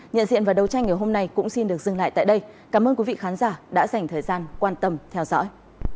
nhận diện và đấu tranh ngày hôm nay cũng xin được dừng lại tại đây cảm ơn quý vị khán giả đã dành thời gian quan tâm theo dõi